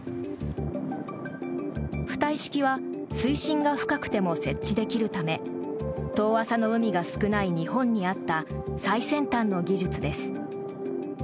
浮体式は水深が深くても設置できるため遠浅の海が少ない日本に合った最先端の技術です。